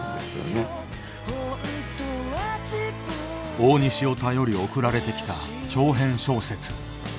大西を頼り送られてきた長編小説。